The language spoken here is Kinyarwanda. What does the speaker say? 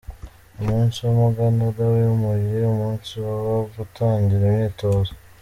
Umunsi w’Umuganura wimuye umunsi wo gutangira imyitozo .